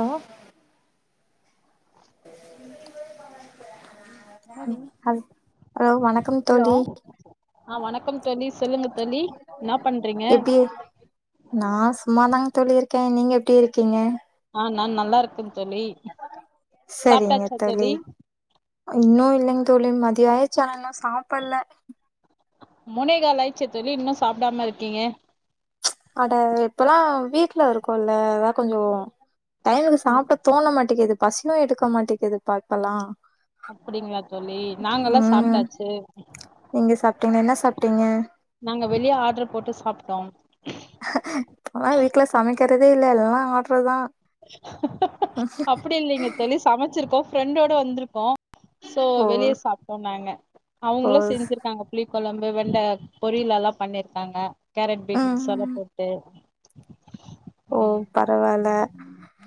ஆ என்னடி ம் hi hello ஆ வணக்கம் தோழி சொல்லுங்க தோழி என்னா பண்றீங்க நான் சும்மாதாங்க தோழி இருக்கேன் நீங்க எப்டி இருக்கீங்க ஆ நான் நல்லா இருக்கேன் தோழி சாப்ட்டாச்சா தோழி இன்னும் இல்லைங்க தோழி மதிய ஆய்ருச்சு ஆன இன்னும் சாப்பல்ல முனைகால் ஆய்ச்சே தோழி இன்னும் சாப்டாம இருக்கீங்க அட இப்பெல்லாம் வீட்ல இருக்கோல்ல அதா கொஞ்சோ டைமுக்கு ஆ சாப்பிட தோண மாட்டேங்குது பசியும் எடுக்க மாட்டேங்குது பா இப்பலாம் அப்டிங்களா தோழி நாங்கல்லாம் சாப்ட்டாச்சு நீங்க சாப்ட்டீங்க என்ன சாப்ட்டீங்க நாங்க வெளியே ஆர்டர் போட்டு சாப்ட்டோம் இப்பல்லாம் வீட்ல சமைக்கிறதே இல்ல எல்லாம் ஆடர் தான் அப்டி இல்லைங்க தோழி சமைச்சிருக்கோம் ஃப்ரெண்டோட வந்திருக்கோம் சோ ஓ வெளியே சாப்பிட்டோம் நாங்க ஓ அவங்களும் செஞ்சிருக்காங்க புளி குழம்பு வெண்ட பொரியல் எல்லாம் பண்ணிருக்காங்க கேரட் பீன்ஸ் ம் எல்லாம் போட்டு ஓ ம் பரவால்ல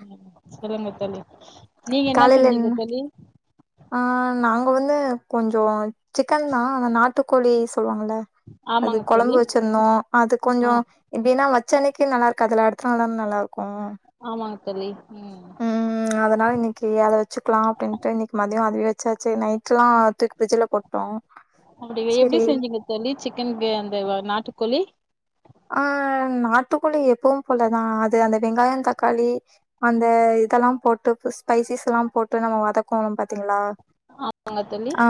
ம் சொல்லுங்க தோழி நீங்க என்ன செஞ்சிங்க தோழி ஆ நாங்க வந்து கொஞ்சோ சிக்கன் தான் ஆன நாட்டுக்கோழி சொல்லுவாங்கல அது ஆமாங்க தோழி குழம்பு வச்சிருந்தோம் அது ஆ கொஞ்சோ இதென்ன வச்ச அன்னிக்கு நல்லா இருக்காதுல அடுத்த நாள் தான நல்லா இருக்கும் ஆமாங்க தோழி ம் ம் அதனால இன்னிக்கி அத வச்சுக்கலாம் அப்டின்ட்டு இன்னிக்கு மதியம் அதுவே வச்சாச்சு நைட்லாம் தூக்கி ஃப்ரிட்ஜில போட்டோம் அப்டி எப்டி செஞ்சீங்க தோழி சிக்கன் கிரே அந்த நாட்டுக்கோழி ஆ நாட்டுக்கோழி எப்பவும் போலதான் அது அந்த வெங்காயம் தக்காளி அந்த இதெல்லாம் போட்டு பிஸ் ஸ்பைசிஸ் எல்லாம் போட்டு நம்ம வதக்குவோம் பாத்தீங்களா வாங்க தோழி ஆ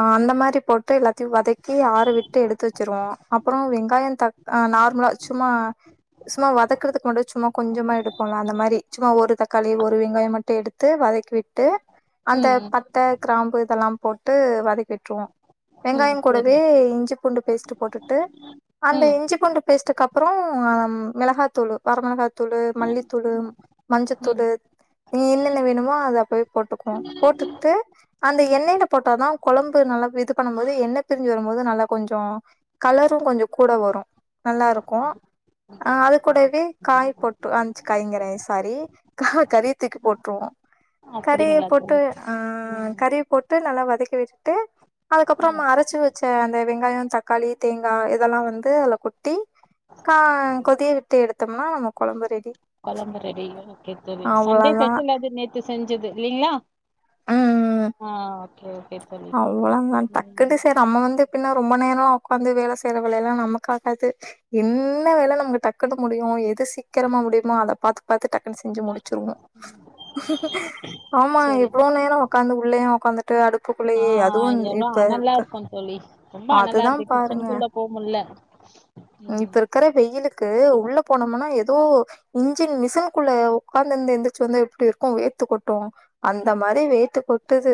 அ அந்த மாரி போட்டு எல்லாத்தையும் வதக்கி ஆற விட்டு எடுத்து வச்சிருவோம் அப்பறோ வெங்காயம் தக் ஆ நார்மலா சும்மா சும்மா வதக்கறக்கு மட்டும் சும்மா கொஞ்சோமா எடுப்போம்ல அந்த மாரி சும்மா ஒரு தக்காளி ஒரு வெங்காயம் மட்டும் எடுத் ட்டு வதக்கி விட்டு ம் அந்த ம் பட்ட கிராம்பு இதெல்லாம் போட்டு வதக்கி விட்டுருவோம் ம் வெங்காயம் சரி கூடவே இஞ்சி பூண்டு பேஸ்ட்டு போட்டுட்டு அந்த ம் இஞ்சி பூண்டு பேஸ்ட் ஆம்டுக்கு அப்பறோ மிளகாத்தூளு வரமிளகாய் தூளு மல்லித்தூளு ம் மஞ்சத்தூளு இன்னும் என்னென்ன வேணுமோ அத அப்டியே போட்டுக்குவோம் போட்டுட்டு அந்த எண்ணெய்ல போட்டாதான் குழம்பு நல்லா இது பண்ணும் போது எண்ணெய் பிரிஞ்சு வரும்போது நல்லா கொஞ்சோ கலரும் கொஞ்சம் கூட வரு நல்லா இருக்கும் அ அது கூடவே காய் போட்டு அஞ்ச்சு காய்ங்கர சாரி கஹா கரிய தூக்கிப் போற்றுவோ அப்படிங்களா [unintelligible] ஆ ம் கறிய போட்டு நல்லா வதக்கி விட்டுட்டு அதுக்கப்பறோமா அரைச்சு வெ ச்ச அந்த வெங்காயோ தக்காளி தேங்கா இதெல்லா வந்து அதுல கொட் கா கொதிய விட்டு எடுத்தம்னா நம்ம கொழம்பு ரெடி கொழம்பு ரெடி [unintelligible] சண்டே அவ்ளோதா ஸ்பெஷல் அது நேத்து செஞ்சது இல்லைங்களா ஆ ஓகே ஓகே [unintelligible] அவ்ளோ தா டக்கு ம் டிசைடு நம்ம வந்து பின்னா ரொம்ப நேரோ ஒக்காந்து வேல செய்யற வேலைலா நமக்கு ஆகாது என்ன வேல நமக்கு டக்குன்னு முடியு எது சீக்கரமா முடியுமோ அத பாத்து பாத்து டக்குனு செஞ்சு முடிச்சிருவோ ஆமா சரி எவ்வளோ நேரோ ஒக்காந்து உள்ளயு ஒக்காந்துட்டு அடுப்பு ஆ அடுப்புக்குள்ளயே அதுவு எவ்ளோ இப்ப அனலா இருக்க இருக்கு தோழி ரொம்ப அனலா அதுதா இருக்கு பாருங்க கிச்சன்க்குள்ள போ முடில ம் க்கற வெயிலுக்கு உள்ள போனமுன்னா எதோ இன்ஜின் மிசின்குள்ள உக்காந்துருந்து எந்திரிச்சு வந்தா எப்படி இருக்கு வேத்து கொட் டு அந்த மாரி வேத்து கொட்டுது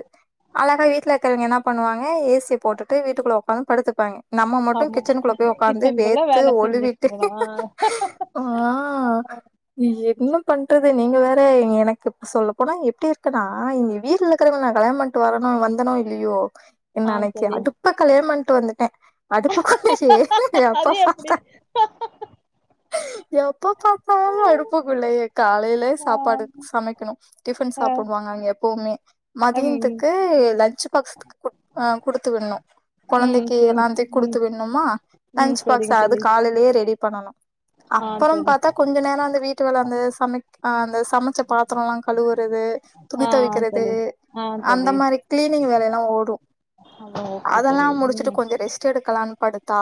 அழகா வீட்டுல இருக்கறவங்க என்னாப் பண்ணுவாங்க ஏ சிய போட்டுட்டு வீட்டுக்குள்ள ஒக்காந்து படுத்துப்பாங்கிய நம்ம மட்டு ஆமா கிச்சனுக்குள்ள போய் ஒக்காந்து கிச்சனுக்குள்ள வேத்து வேல ஒழுவிட்டு செஞ்சுனுக்குறோ ஆ ஆ எ என்ன பண்றது நீங்க வேற எனக்கு இப்ப சொல்ல போனா எப்படி இருக்கன்னா இங்க வீ ட்டுல இருக்கறவன கல்யானோ பண்ட்டு வரனோ வந்தனோ இல்லியோ என்ன ஆ அனைக்கி தோழி அடுப்ப கல்யாணோ பண்ட்டு வந்துட்டே அடுப்புக்கூடயே அது எப்பா எப்டி பாத்தா எப்ப பாத்தாலு அடுப்புக்குள்ளயே காலையிலே ஆ சாப்பாடு சமைக்கணு டிப்பன் ஆ சாப்புடுவாங்க அவிங்க எப்பவுமே ம் மதியன்த்துக்கு லன்ச் பாக் ஸ் கு அ குடுத்து விடணு ம் ம் கொழந்தைக்கி சரி எல்லாந்த்தையு ம் குடுத்து விடணுமா ம் லஞ்சு பாக்ஸ் சரிங்க அது தோழி கா லையிலேயே ரெடி பண்ணனு ஆ அப்பறோ தோழி பாத்தா கொஞ்ச நேரோ அந்த வீட் வீட்டு வேல அந்த சமைக் அ அந்த சமைச்ச பாத்தரோலா கழுவுறது துணி ஆ தொவைக்கறது தோழி ஆ தோழி கிளீனிங் வேலைலா ஓடு ஹாலே இதெல்லா முடிச்சுட்டு கொஞ்சோ ரெஸ்ட் எடுக்கலான்னு படுத்தா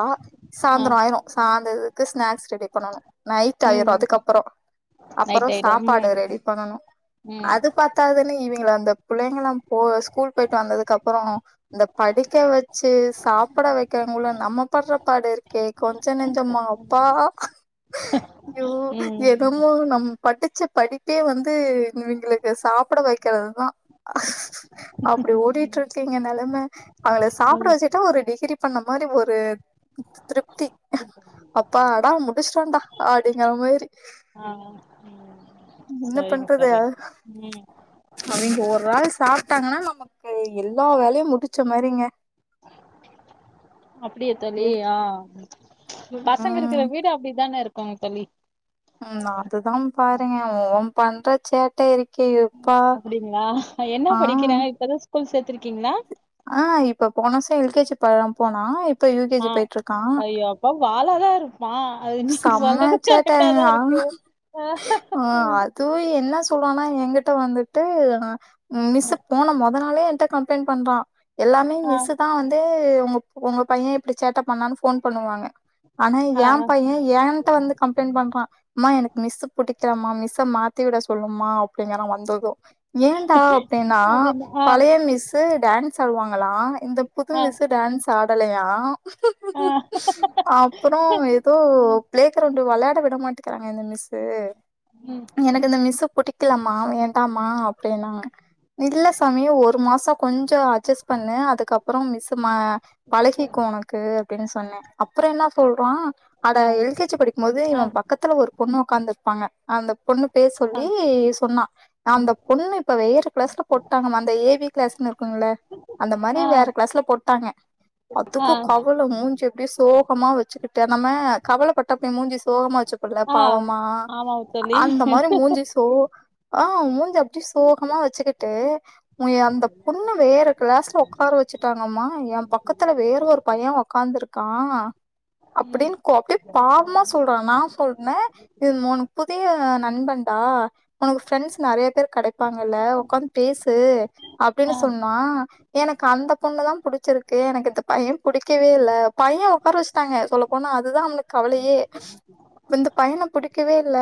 ஆ சாயந்தரோ ஆயிரு சாந்துதுக்கு ஸ்நாக்ஸ் ரெடி பண்ணனு நைட் ம் ஆயிரு ம் அதுக்கப்பறோ அப்பறோ நைட் ஆயிடு ம் சாப்பாடு ரெடி பண்ணனு ம் அது பத்தாதுன்னு இவிங்கள அந்த பிள்ளைங்கலு போ ஸ்கூல் போயிட்டு வந்ததுக்கப்பறோ இந்த படிக்க வெ ச்சு சாப்பட வெக்கறங்குள்ள நம்ம படுற பாடு இருக்கே கொஞ்ச நஞ்சமா அப்பா அய்யோ ம் எதுமோ நம் படிச்ச படிப்பே வந்து இவிங்களுக்கு சாப்பட வெக்கறதுதா அப்படி ஓடிட்டுருக்கு எங்க நெலம அவங்கள சாப் ம் எதோ ஒரு டிகிரி பண்ண மாரி ஒரு திருப்தி அப்பாடா முடிச்சிட்டோண்ட அப்படிங்கற மாதிரி ஆ ம் என்ன சரிங்க பண்றது தோழி ம் அவிங்க ஒரு ஆள் சாப்ட்டாங்கன்னா நமக்கு எல்லா வேலையு முடிச்ச மாரிங்க அப்டியா தோழி ஆ பசங்க இருக்கற ம் வீடு அப்படிதான இருக்குங்க தோழி ம், நா அதுதா பாருங்க அவ பண்ற சேட்ட இருக் ம் அப்டிங்களா என்ன ஆ படிக்கிறா இப்பதா ஸ்கூல் சேத்திருக்கீங்களா ஆ இப்ப போன வருசா எல் கே ஜி ப போனா இப் ஆ ஐயோ அப்ப வாலாதா இருப்பா அது நீங்க செம்ம சொல்றது கரெக்டாதா இருக்கு சேட்டங்க அதுவு என்னா சொல்றானா என்கிட்ட வந்துட்டு நா மிஸ் போன மொதனாளே ஏன்ட கம்ளைண்ட் பண்றா எல்லாமே ஆ, மிஸு தா வந் ட்டு உங் உங்க பைய இப்டி சேட்ட பண்ணானு ஃபோன் பண்ணுவாங்க ஆனா ஏ ஆ. ஏ ஏன்ட வந்து கம்ளைண்ட் பண்றா அம்மா எனக்கு மிஸ்ஸூ புடிக்கலமா மிஸ்ஸ மாத்தி விட சொல்லுமா அப்டிங்கறா வந்ததும் ஏன்டா அப்டினா அப்டின்னு ஆ, பழைய மிஸு டான்ஸ் ஆடுவாங்களா இந்த புது ஆ, மிஸ் டான்ஸ் ஆடலையா ஆ அப்றோ ஏதோ ம், பிளே கிரௌண்ட் வளையாட விட மாட்டக்கிறாங்க இந்த மிஸ்ஸு ம் எனக்கு இந்த மிஸ் புடிக்கலமா வேண்டாமா அப்டினா அவ இல்ல சாமி ஒரு மாசோ கொஞ்சோ அட்ஜஸ் பண்ணு அதுகப்பறோ மிஸ்ஸு மா பழகிக்கு உனக்கு அப்டின்னு சொன்ன அப்பற என்னா சொல்றா அட ஆ, எல் கே ஜி படிக்கும்போது ஆ, இவ பக்கதுல ஒரு பொண்ணு ஒட்காந்திருப்பாங்க அந்த பொண்ணு பேர் ஆ, சொல்லி சொன்னா அந்த பொண்ணு இப்ப வேற கிளாஸ்ல போட்டாங்மா அந்த ஏ பி கிளாஸ்ன்னு இருக்குல்ல அந்த மாரி ஆ, வேற கிளாஸ்ல போட்டாங்க ஆ, அதுக்கு கவல மூஞ்ச அப்டி சோகமா வச்சுகிட்டு நம்ம கவலபட்டா அப்டி மூஞ்சி சோகமா வச்சு போல்ல ஆ. பாவமா ஆமா தோழி. அந்த மாரி மூஞ்ச சோ ஆ மூஞ்ச அப்டி சோகமா வச்சிகிட்டு உ எ அந்த பொண்ணு வேற கிளாஸ்ல ஒக்கார வச்சுட்டாங்கம்மா எ பக்கத்துல வேற ஒரு பைய ஒக்காந்துருக் கா ம், அப்டின் கோ அப்டி பாவமா சொல்றா நா சொன்ன இது மூணு புதிய நண்பன்டா உனக்கு ஃப்ரெண்ஸ் நறைய பேரு கடைப்பாங்கல்ல ஒக்காந்து பேசு அப்டின்னு ஆ, சொன்னா எனக்கு அந்த பொண்ணுதா புடிச்சிருக்கு எனக்கு இந்த பைய புடிக்கவே இல்ல பைய ஒக்கார வச்சிடாங்க சொல்ல போனா அதுதா அவனுக்கு கவலையே இந்த பையன புடிக்கவே இல்ல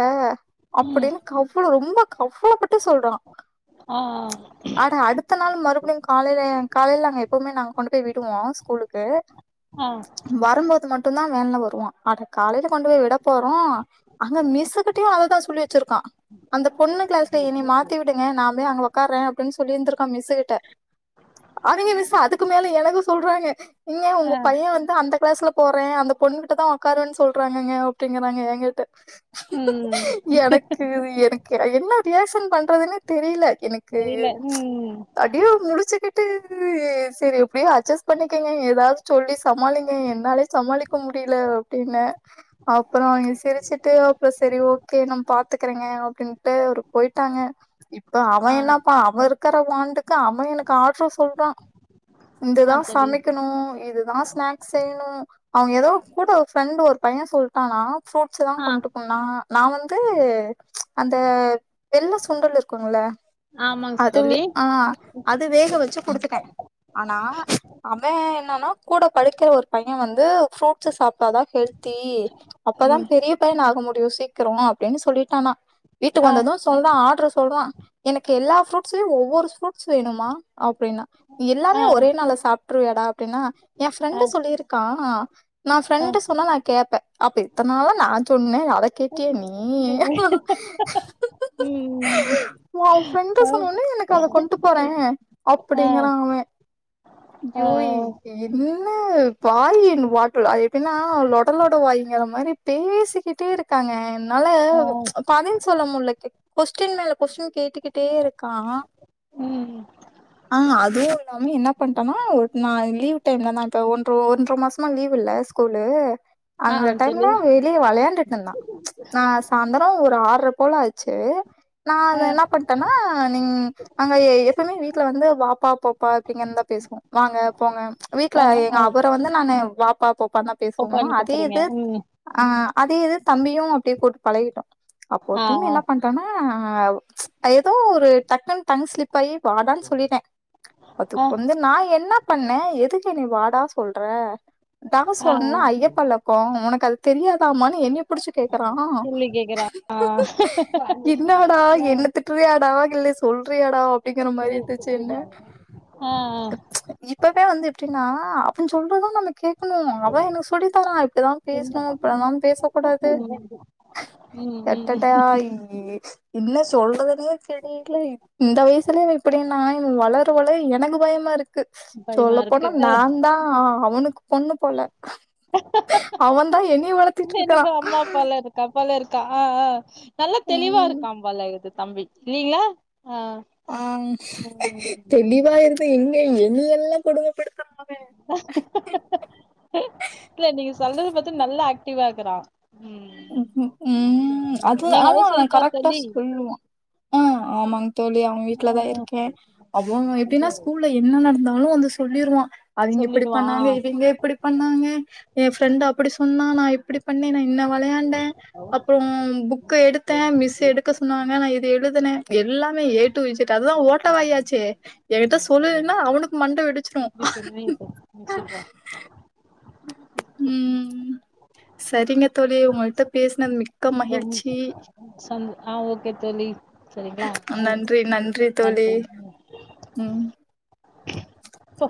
ம், அப்டின்னு அவ்ளோ ரொம்ப கவலப்பட்டு சொல்றா ஆ ஆ அட அடுத்த நாள் மறுபடியு காலைல காலைல நாங்க எப்பவுமே நாங்க கொண்டு போய் விடுவோ ஸ்கூலுக்கு ஆ வரும்போது மட்டுந்தா வேன்ல வருவா அட காலைல கொண்டு போய் விட போறோ அங்க மிஸ்கிட்டயு அததா சொல்லி வச்சிருக்கா அந்த பொண்ணு கிளாஸ்ல என்னய மாத்தி விடு ங்க நா போய் அங்க ஒக்கார அப்டின்னு சொல்லிருந்திருக்கா மிஸ் கிட்ட அதுங்க மிஸ் அதுக்கு மேல எனக்கு சொல்றாங்க ங்க உங்க ஆ, பைய வந்து அந்த கிளாஸ்ல போற அந்த பொண்ணுகிட்டதா ஒக்காருவேனு சொல்றாங்க அப்டிங்கறாங்க ஏங்கிட்ட ம். எனக்கு இது எனக் கு என்ன ரியாக்ஷன் பண்றதுனே தெரியல எனக்கு தெரியல. ம். அப்டியே முழுச்சிகிட்டு சேரி எப்டியே அட்ஜஸ் பண்ணிக்கங்க ஏதாது சொல்லி சமாளிங்கங்க என்னாலே சமாளிக்க முடில அப்டின்னு அப்றோ அவங்க சிரிச்சுட்டு செரி ஓகே நா பாத்துகறங்க அப்டின்டு ஒரு போயிடாங்க இப்ப அவ ஆ, என்னபா அவ இருக்கிற வாண்டுக் கு அவ எனக்கு ஆடர் சொல்றா ஆ இதுதா தோழி. சமைக்கணு இதுதா ஸ்நாக் செய்ணு அவங்க எதோ கூட ஒரு ஃப்ரெண்டு் ஒரு பைய சொல்டானா ஃப்ரூட்ஸ் தா ஆ, கொண்டு போனா நா வந்து அந்த வெள்ள சுண்டல் இருக்குங்ள ஆமாங்க அது தோழி. ஆ அது வேக வெச்சி குடுத்துட்ட ஆனா அவ என்னனா கூட படிக்கிற ஒரு பைய வந்து த்து சாப்டாதா ஹெல்த்தி அப்பதா ம். பெரியப் பையனாக முடியு சீக்கிரோ அப்டின்னு சொல்லிட்டானா வீட்டுக்கு ஆ, வந்தது சொல்றா ஆர்டர் சொல்றா எனக்கு எல்லா ஃப்ரூட்ஸ்லயு ஒவ்வொரு ஃப்ரூட்ஸ் வேணுமா அப்டின்னா ஆ, எல்லாமே ஒரே நாள்ள சாப்ட்ருவியாடா அப்டின்னா ஏ ஆ. ஃப்ரெண்ட சொல்லியிருக்கா நா ஆ ஃப்ரெண்ட் சொன்னா நா கேப்பே அப்ப இத்தனால நா சொன்னே அத கேட்டியா நீ கேக்குது ம் உ ஃப்ரெண்டு ஆ சொன்னோனே எனக்கு அத கொண்டு போறே ஆ அப்பிடிங்குறா அவ ஐய்யோ என்ன வாயி வா எப்பின்னா லொடலொட வாயிங்கற மாரி பேசிக்கிட்டே இருக்காங்க என்னால ஆ பதில் சொல்ல முட்ல கொஸ்டின் மேல கொஸ்டின் கேட்டுக்கிட்டே இருக்கா ம் ஆ அதுவு இல்லாம என்ன பண்டேனா ஒரு நாள் லீவ் டைம்லதா இப்ப ஒன் ஒன்ற மாசமா லீவ் லீவ்வில்ல ஸ்கூல்லு ஆ அந்த டைம்ல தோழி வெளிய வெளாண்டுட்டு இருந்தா நா சாயந்தரோ ஒரு ஆர்ர போல ஆச்சு நா அத ஆ என்ன பண்ணிட்டேன்னா நீங் அங்க எப்பவுமே வீட்ல வந்து வாப்பா போப்பா அப்டிங்கந்தா பேசுவோ வாங்க போங்க வீட்ல வாங்க எங்க ஆ அவர வந்து நானு வாப்பா போப்பா தா பேசுவோமோ போப்பான்னு அதே கூப்புறீங்க இது ம் ஆ அதே இது தம்பியு அப்புடியே கூட்டு பழகிட்டோ அப்போ ஒரு ஆ டைம் என்ன பண் டானா ஏதோ ஒரு டக்குனு டங் ஸ்லிப் ஆயி வாடான்னு சொல்லிட்டே ஆ ஆ அதுக்கு வந்து நா என்ன பண்ணே எதுக்கு என்ன வாடா சொல்ற டா ஆ சொன்னா ஐயப்பழக்கோ உனக்கு அது தெரியாதாமான்னு என்னய புடிச்சு கேக்குறா கேள்வி கேக்குறா ஆ என்னடா ஆ என்னத்துக் ட்டிரியாடா இல்ல சொல்றியாடா அப்டிங்குற மாரி இருந்துச்சு என்ன ஆ இப்பவே வந்து எப்டின்னா அப்புடின்னு அவன் சொல்றதா நம்ம கேக் க்கணு அவ எனக்கு சொல்லிதரா இப்புடிதா பேசணு இப்டிலா பேச கூடாது ம் ம் ம் அட்டட்டா என்ன சொல்றதுன்னே தெரில இந்த வயசுலயே இவ இப்டின்னா வளர வளர எனக்கு பயமா இருக் கு பயமா சொல்ல இருக்கு போனா நான் தா ஆ அவனுக்கு பொண்ணு போல அவன் தா என்னைய வளத் இல்ல எனக்கு அம்மா அப்பா லா இருக்கா அப்பால இருக்கா நல்லா தெளிவா ம் இருக்கா பல்லா எடு தம்பி நீங்களா ஆ ஆ ம் தெளிவா இருந்த எங்க என்னியெல்லா கொடுமப்படுத்துறா அவன் இல்ல நீங்க சொல்றது பாத்தா நல்லா ஆக்டிவா இருக்குறா ம் ம் அது நீங்க ஆமா ஹவுஸ் ஒய்ஃபா கரெக்டா தோழி சொல்லுவா ஆ ஆமாங் தோழி அவன் வீட்லதா ஆஹ் இருக்கே அது எப்டின்னா ஸ்கூல்ல என்ன நடந்தாளு வந்து சொல்லிருவா அவிங்க இப்பிடி சொல்லிடுவான் பண்ணாங்க ஆஹ் இவிங்க இப்பிடி பண்ணாங்க எ ஃப்ரெண்டு அப்பிடி சொன்னா நா இப்பிடி பண்ணே நா இன்ன வளையாண்டே அப்றோ புக் க்கு எடுத்தே மிஸ்ஸு எடுக்க சொன்னுவாங்க நா இது எழுதுனே எல்லாமே ஏ டு இஜெட் அதா ஓட்ட வாயாச்சே. எ கிட்ட சொல்லுலினா அவுனுக் மண்ட வெடி எப்டி சொன்னே இப்போ நீ சொல்றா ம் சரிங்க தோழி உங்கள்ட்ட பேசினது மி ரொம் ‌ம் சம் ஆ ஓகே தோழி. சரிங்ளா ம் நன்றி தோழி நன்றி ம். ம். இப்போ